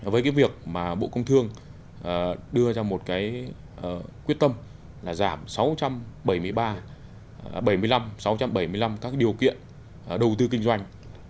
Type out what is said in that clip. với cái việc mà bộ công thương đưa ra một cái quyết tâm là giảm sáu trăm bảy mươi năm các điều kiện đầu tư kinh doanh